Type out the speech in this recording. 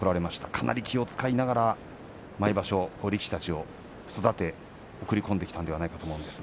かなり気を遣いながら毎場所、力士たちを育て送り込んできたのではないかと思います。